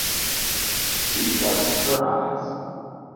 She shut her eyes.